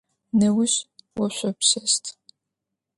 Неущ ошъопщэщт.